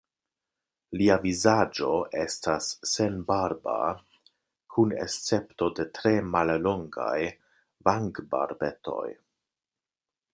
Lia vizaĝo estas senbarba kun escepto de tre mallongaj vangbarbetoj.